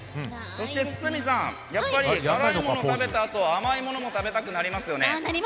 そして堤さん、やっぱり辛いもののあとは甘いものを食べたくなりますよね。